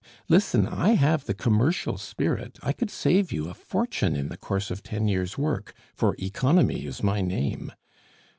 Listen; I have the commercial spirit; I could save you a fortune in the course of ten years' work, for Economy is my name!